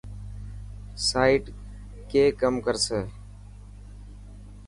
سائيٽ ڪي ڪم ڪرسي.